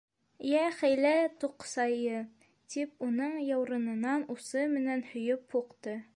— Йә, хәйлә тоҡсайы! — тип уның яурынынан усы менән һөйөп һуҡты.